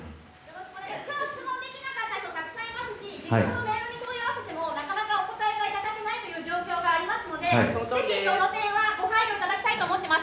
今日、質問できなかった人もたくさんいますし電話で問い合わせてもなかなかお答えがいただけない状況がありますのでぜひその点は、ご配慮いただきたいと思っております。